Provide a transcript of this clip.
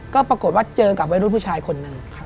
ก็ปรากฏว่าเจอกับวัยรุ่นผู้ชายคนหนึ่ง